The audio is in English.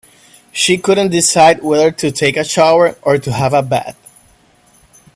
She couldn't decide whether to take a shower or to have a bath.